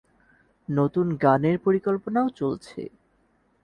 নতুন গানের পরিকল্পনাও চলছে।